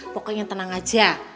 pokoknya tenang aja